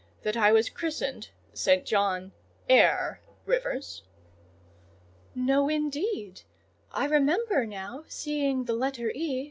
—that I was christened St. John Eyre Rivers?" "No, indeed! I remember now seeing the letter E.